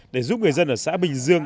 để giúp người dân ở xã bình dương